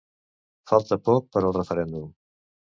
Falta poc per al referèndum